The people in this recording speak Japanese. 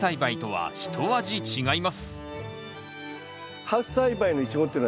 はい。